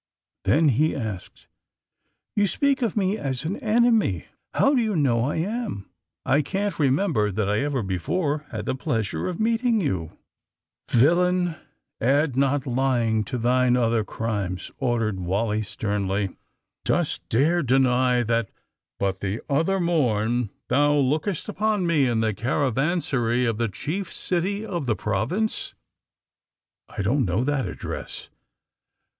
Then he asked : *^You speak of me as an enemy. How do you know I am? I can't remember that I ever be fore had the pleasure of meeting you." 184 THE SUBMAEINE BOYS Villain, add not lying to thine other crimes !'* ordered Wally sternly. ^^Dost dare deny that, but the other morn, thou lookedst upon me in the caravansary of the chief city of the prov ince!" *^I don't know that address.